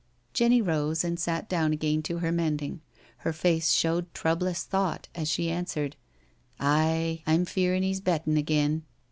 Jenny rose and sat down again to her mending. Her face showed troublous thought as she answered, Aye — I'm feerin' he's bettin' again.